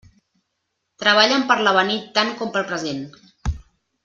Treballen per l'avenir tant com pel present.